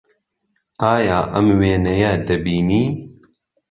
ئایا ئەم وێنەیە دەبینی؟